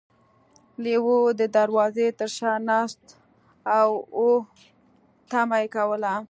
لیوه د دروازې تر شا ناست و او تمه یې کوله.